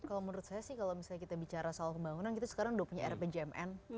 kalau menurut saya sih kalau misalnya kita bicara soal pembangunan kita sekarang sudah punya rpjmn